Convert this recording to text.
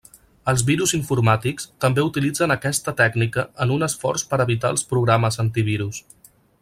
Els virus informàtics també utilitzen aquesta tècnica en un esforç per evitar els programes antivirus.